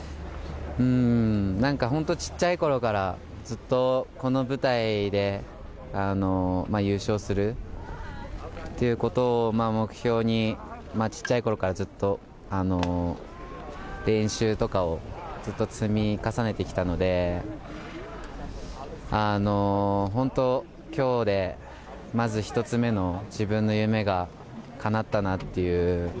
なんか本当、ちっちゃいころから、ずっとこの舞台で優勝するっていうことを目標に、ちっちゃいころから、ずっと練習とかをずっと積み重ねてきたので、本当、きょうでまず１つ目の自分の夢がかなったなっていう。